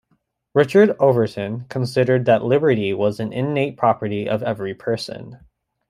Richard Overton considered that liberty was an innate property of every person.